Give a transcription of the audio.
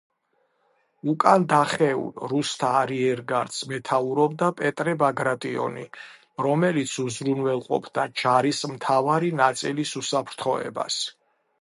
უკან დახეულ რუსთა არიერგარდს მეთაურობდა პეტრე ბაგრატიონი, რომელიც უზრუნველყოფდა ჯარის მთავარი ნაწილის უსაფრთხოებას.